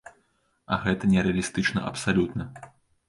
А гэта нерэалістычна абсалютна.